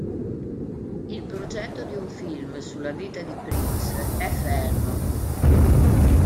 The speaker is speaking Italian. Il progetto di un film sulla vita di Prince è fermo.